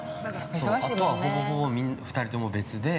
あとは、ほぼほぼ２人とも別で。